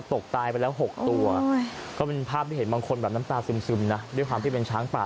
ตกตายไปแล้ว๖ตัวก็เป็นภาพที่เห็นบางคนแบบน้ำตาซึมนะด้วยความที่เป็นช้างป่า